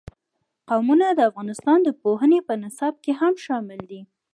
قومونه د افغانستان د پوهنې په نصاب کې هم شامل دي.